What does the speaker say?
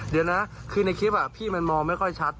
เดี๋ยวนะคือในคลิปพี่มันมองไม่ค่อยชัด